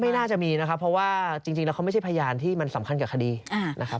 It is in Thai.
ไม่น่าจะมีนะครับเพราะว่าจริงแล้วเขาไม่ใช่พยานที่มันสำคัญกับคดีนะครับ